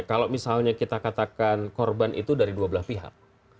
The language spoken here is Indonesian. kalau misalnya kita katakan korban itu dari dua belah pihak